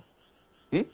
えっ？